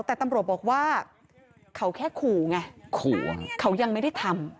แต่ตำรวจบอกว่าเขาแค่ขู่ไง